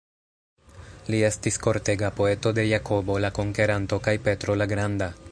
Li estis kortega poeto de Jakobo "la Konkeranto" kaj Petro "la Granda".